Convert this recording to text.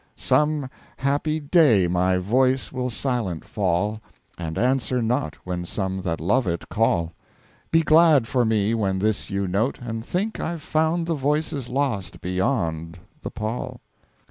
Some happy Day my Voice will Silent fall, And answer not when some that love it call: Be glad for Me when this you note and think I've found the Voices lost, beyond the Pall.